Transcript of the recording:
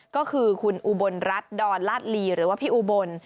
ก็คือคุณอุบลรัฐดอนลาดลีหรือว่าพี่อุบล